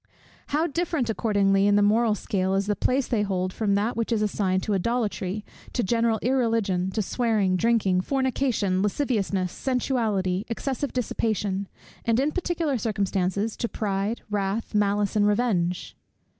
How different accordingly, in the moral scale, is the place they hold, from that which is assigned to idolatry, to general irreligion, to swearing, drinking, fornication, lasciviousness, sensuality, excessive dissipation; and in particular circumstances, to pride, wrath, malice, and revenge!